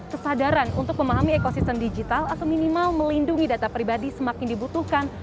kesadaran untuk memahami ekosistem digital atau minimal melindungi data pribadi semakin dibutuhkan